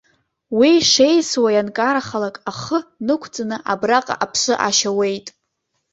Уи шеисуа ианкарахалак, ахы нықәҵаны абраҟа аԥсы ашьауеит.